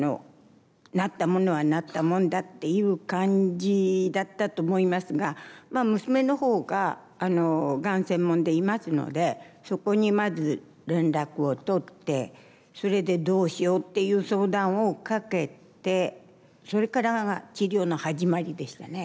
なったものはなったもんだっていう感じだったと思いますがまあ娘の方ががん専門でいますのでそこにまず連絡を取ってそれでどうしようっていう相談をかけてそれからが治療の始まりでしたね。